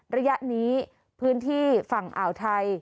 ระยะนี้พื้นที่ฝั่งอ่าวไทย